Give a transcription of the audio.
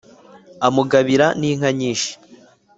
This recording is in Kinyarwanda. amugabira n'inka nyinshi